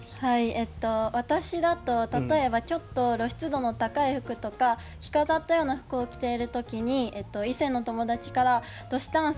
えっと私だと例えばちょっと露出度の高い服とか着飾ったような服を着ている時に異性の友達から「どしたん？